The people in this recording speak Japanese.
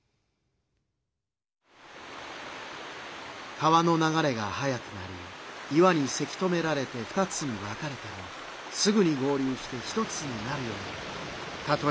「川のながれがはやくなり岩にせき止められて２つに分かれてもすぐに合りゅうして一つになるようにたとえ